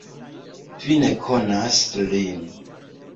Vi ne konas lin.